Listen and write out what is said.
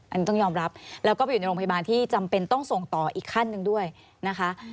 อันนี้ต้องยอมรับแล้วก็ไปอยู่ในโรงพยาบาลที่จำเป็นต้องส่งต่ออีกขั้นหนึ่งด้วยนะคะ